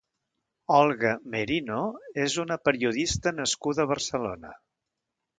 Olga Merino és una periodista nascuda a Barcelona.